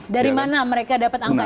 dari mana mereka dapat angka